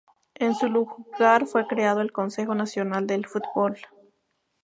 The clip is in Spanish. En su lugar fue creado el Consejo Nacional de Fútbol.